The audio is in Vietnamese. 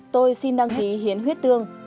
tôi xin đăng ký hiến huyết tương